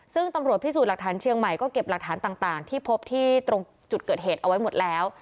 ซึ่งตำรวจพิสูจน์หลักฐานเชียงใหม่ก็เก็บหลักฐานต่างที่พบที่ตรงจุดเกิดเหตุเอาไว้หมดแล้ว